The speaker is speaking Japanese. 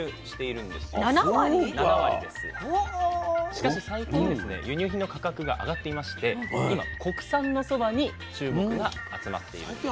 しかし最近ですね輸入品の価格が上がっていまして今国産のそばに注目が集まっているんです。